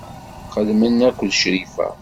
Xeddmen akked Crifa.